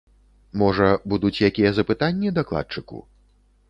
Можа, будуць якія запытанні дакладчыку?